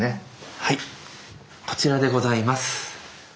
はいこちらでございます。